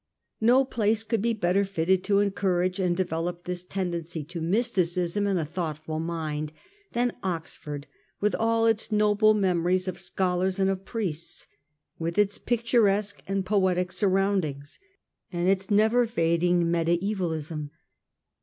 No place could be better fitted to en courage and develop, this tendency to mysticism in a thoughtful mind, than Oxford with all its noble memories of scholars and of priests ; with its pictu resque and poetic surroundings, and its never fading medievalism.